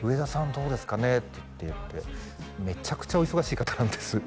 どうですかねって言ってめちゃくちゃお忙しい方なんです